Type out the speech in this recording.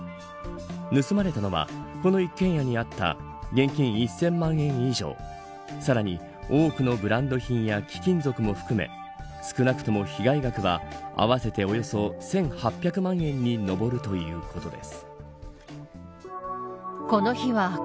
盗まれたのはこの一軒家にあった現金、１０００万円以上さらに、多くのブランド品や貴金属も含め少なくとも被害額は合わせておよそ１８００万円に上るということです。